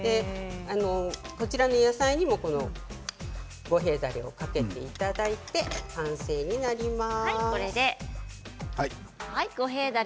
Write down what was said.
こちらの野菜にも五平だれをかけていただいて完成になります。